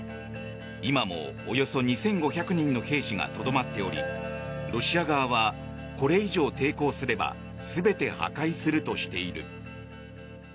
今もおよそ２５００人の兵士がとどまっておりロシア側はこれ以上抵抗すれば全て破壊するとしている。